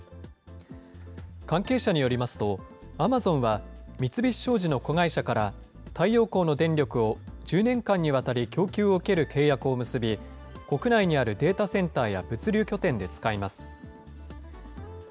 関係者によりますと、アマゾンは三菱商事の子会社から、太陽光の電力を１０年間にわたり供給を受ける契約を結び、国内にあるデータセンターや、物流拠点で使います。